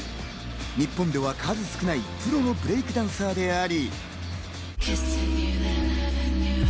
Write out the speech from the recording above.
日本では数少ないプロのブレイクダンサーであり。